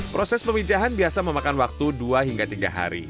proses pemijahan biasa memakan waktu dua hingga tiga hari